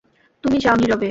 তুমি যাও, নীরবে।